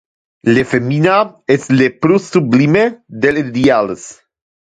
Le femina es le plus sublime del ideales.